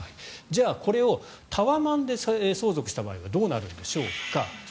じゃあ、これをタワーマンで相続した場合はどうなるんでしょうか。